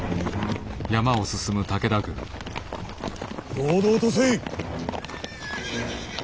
堂々とせい！